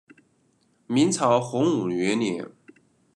明朝洪武元年。